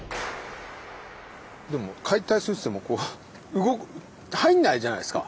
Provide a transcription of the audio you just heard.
でも解体するっつってもこう入んないじゃないですか？